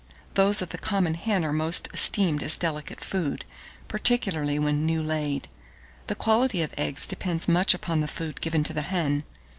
Those of the common hen are most esteemed as delicate food, particularly when "new laid." The quality of eggs depends much upon the food given to the hen.